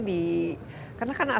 karena asetnya kan salah satu